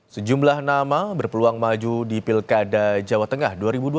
sejumlah nama berpeluang maju di pilkada jawa tengah dua ribu dua puluh